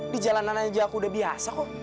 di jalanan aja aku udah biasa kok